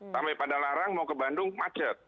sampai pada larang mau ke bandung macet